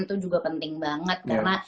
itu juga penting banget karena